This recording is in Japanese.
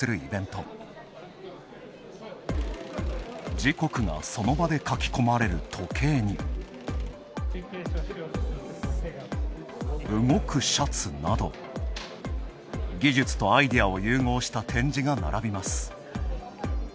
時刻が、その場で書き込まれる時計に、動くシャツなど、技術とアイデアを融合した展示が並びます。